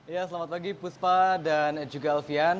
ya selamat pagi puspa dan juga alfian